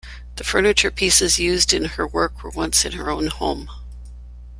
The furniture pieces used in her work were once in her own home.